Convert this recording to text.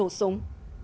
vụ nổ súng